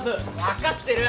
分かってる！